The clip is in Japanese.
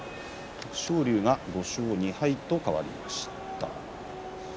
徳勝龍は５勝２敗と変わりました。